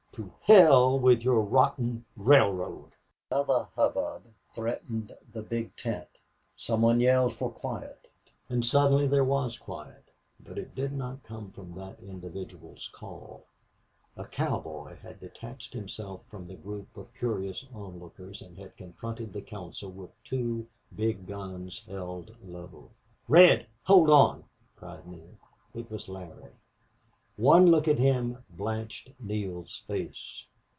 "To hell with your rotten railroad!" Another hubbub threatened in the big tent. Some one yelled for quiet. And suddenly there was quiet, but it did not come from that individual's call. A cowboy had detached himself from the group of curious onlookers and had confronted the council with two big guns held low. "Red! Hold on!" cried Neale. It was Larry. One look at him blanched Neale's face.